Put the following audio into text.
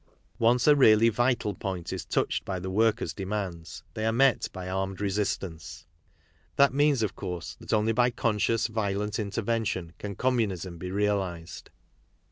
Once a really vital point is touched by the workers' de ' mands, they are met by armed resistance. That means, of course, that only by conscious violent intervention can communism be realized.